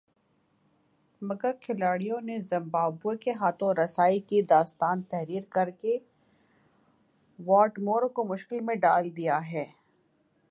مگر کھلاڑیوں نے زمبابوے کے ہاتھوں رسائی کی داستان تحریر کر کے واٹمور کو مشکل میں ڈال دیا ہے